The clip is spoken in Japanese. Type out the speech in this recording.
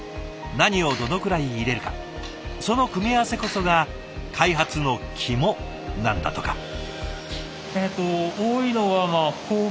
何をどのくらい入れるかその組み合わせこそが開発の肝なんだとか。